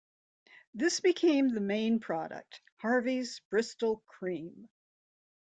This became the main product: Harveys Bristol Cream.